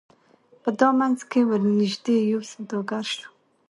په دامنځ کي ورنیژدې یو سوداګر سو